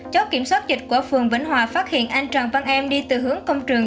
chốt kiểm soát dịch của phường vĩnh hòa phát hiện anh trần văn em đi từ hướng công trường